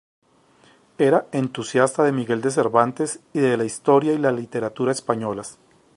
Era entusiasta de Miguel de Cervantes y de la historia y la literatura españolas.